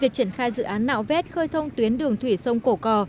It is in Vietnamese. việc triển khai dự án nạo vét khơi thông tuyến đường thủy sông cổ cò